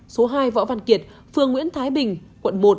số hai võ văn kiệt phường nguyễn thái bình quận một